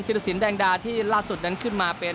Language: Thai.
รสินแดงดาที่ล่าสุดนั้นขึ้นมาเป็น